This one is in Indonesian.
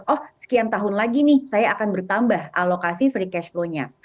oh sekian tahun lagi nih saya akan bertambah alokasi free cash flow nya